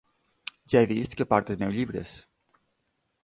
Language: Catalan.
Ja he vist que porta els meus llibres.